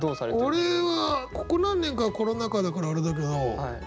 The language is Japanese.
俺はここ何年かはコロナ禍だからあれだけど。